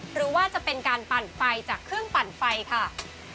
หรือว่าจะเป็นการปั่นไฟจากเครื่องปั่นไฟค่ะ